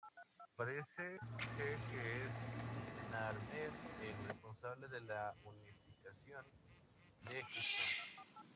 Parece se que es Narmer el responsable de la unificación de Egipto.